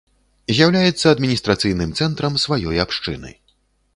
З'яўляецца адміністрацыйным цэнтрам сваёй абшчыны.